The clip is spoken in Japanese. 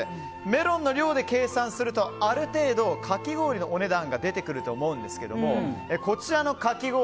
メロンの量で計算するとある程度かき氷のお値段が出てくると思うんですけれどもこちらのかき氷